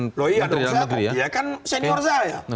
nkri ya loh iya dong dia kan senior saya